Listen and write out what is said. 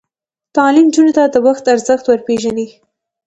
تعلیم نجونو ته د وخت ارزښت ور پېژني.